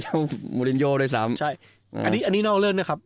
มูลินโยด้วยซ้ำใช่อันนี้อันนี้นอกเล่นนะครับ